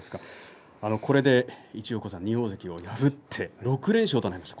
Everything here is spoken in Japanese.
これで１横綱２大関を破って６連勝となりました